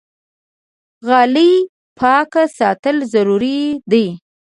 غالۍ پاک ساتل ضروري دي.